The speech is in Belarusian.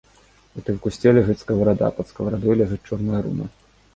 У тым кусце ляжыць скаварада, пад скаварадой ляжыць чорная руна.